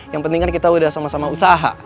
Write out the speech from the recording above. yang penting kan kita udah sama sama usaha